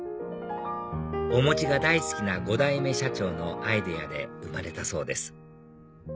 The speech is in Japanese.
お餅が大好きな５代目社長のアイデアで生まれたそうです